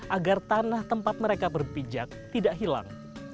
agar tanah tempat mereka berpijak tidak hilang